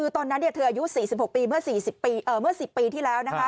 ตอนนั้นเธออายุ๔๖ปีเมื่อ๑๐ปีที่แล้วนะคะ